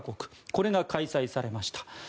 これが開催されました。